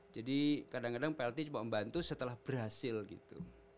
jadi kadang kadang plt cuma membantu setelah berhasil gitu